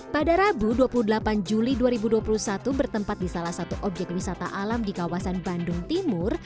pada rabu dua puluh delapan juli dua ribu dua puluh satu bertempat di salah satu objek wisata alam di kawasan bandung timur